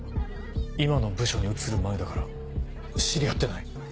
今の部署に移る前だから知り合ってない。